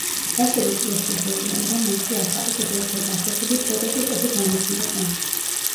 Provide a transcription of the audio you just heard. გასული წლისთვის ელიან, რომ მათი ახალი, კიდევ უფრო დახვეწილი პროტოტიპები გამოჩნდება.